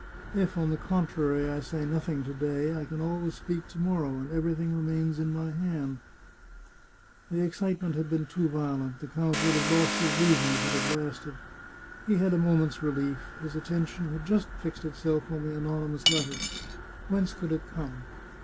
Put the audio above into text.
If, on the contrary, I say nothing to day, I can always speak to morrow, and everything remains in my hands." The excitement had been too violent ; the count would have lost his reason if it had lasted. He had a moment's relief — his attention had just fixed itself on the anonymous letter. Whence could it come?